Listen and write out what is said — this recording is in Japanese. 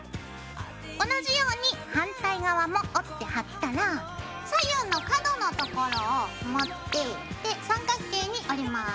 同じように反対側も折って貼ったら左右の角のところを持ってで三角形に折ります。